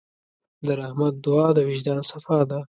د رحمت دعا د وجدان صفا ده.